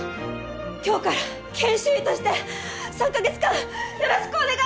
今日から研修医として３カ月間よろしくお願い致します！